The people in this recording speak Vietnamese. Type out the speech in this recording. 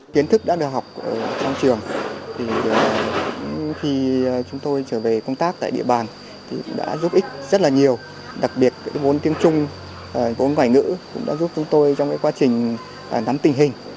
kiến thức đã được học trong trường khi chúng tôi trở về công tác tại địa bàn thì đã giúp ích rất là nhiều đặc biệt vốn tiếng trung vốn ngoại ngữ cũng đã giúp chúng tôi trong quá trình nắm tình hình